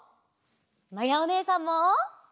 まやおねえさんも！